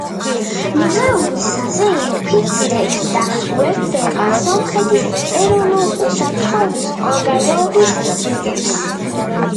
მუზეუმი საზეიმო ფიცს დებს და უერთდება სომხეთის ეროვნული უსაფრთხოების ორგანოების რიგებს.